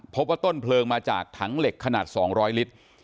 พบว่าต้นเพลิงมาจากถังเหล็กขนาด๒๐๐ลิตร